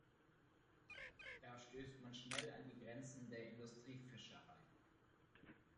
Da stößt man schnell an die Grenzen der Industriefischerei.